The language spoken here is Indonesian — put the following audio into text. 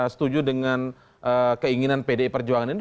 setuju dengan keinginan pdi perjuangan ini